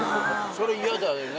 それ嫌だよね。